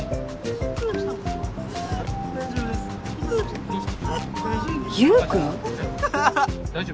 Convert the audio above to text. ・・大丈夫です・悠君？